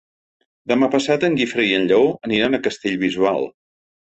Demà passat en Guifré i en Lleó aniran a Castellbisbal.